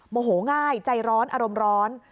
โมโหง่ายใจร้อนอารมณ์ร้อน